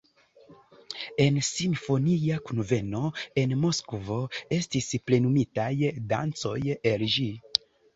En simfonia kunveno en Moskvo estis plenumitaj dancoj el ĝi.